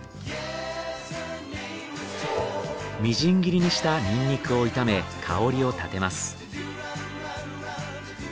みじん切りにしたニンニクを炒め香りを立てます。